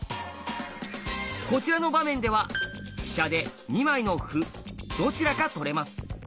こちらの場面では飛車で２枚の歩どちらか取れます。